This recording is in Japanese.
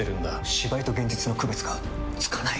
芝居と現実の区別がつかない！